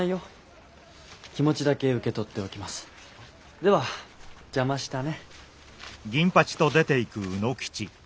では邪魔したね。